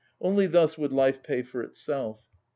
Only thus would life pay for itself.